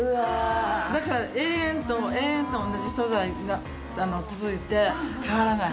だから延々と延々と同じ素材が続いて変わらない。